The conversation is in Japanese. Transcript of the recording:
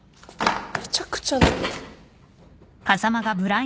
めちゃくちゃだ。